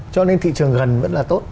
cho nên thị trường gần vẫn là tốt